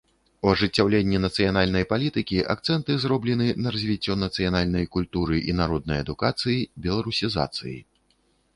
У ажыццяўленні нацыянальнай палітыкі акцэнты зроблены на развіццё нацыянальнай культуры і народнай адукацыі, беларусізацыі.